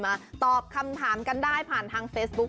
ตอบคำถามกันได้ผ่านทางเฟซบุ๊ค